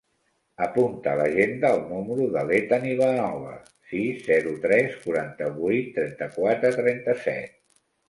Apunta a l'agenda el número de l'Ethan Ivanova: sis, zero, tres, quaranta-vuit, trenta-quatre, trenta-set.